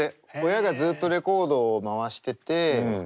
親がずっとレコードを回してて。